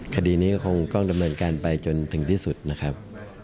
คดีนี้ก็คงต้องดำเนินการไปจนถึงที่สุดนะครับ